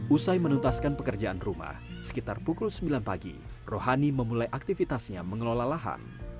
usai menuntaskan pekerjaan rumah sekitar pukul sembilan pagi rohani memulai aktivitasnya mengelola lahan